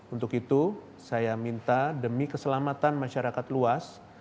untuk itu saya minta demi keselamatan masyarakat luas